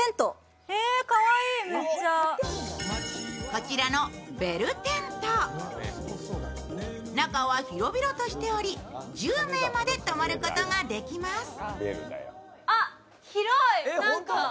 こちらのベルテント、中は広々としており、１０名まで泊まることができます。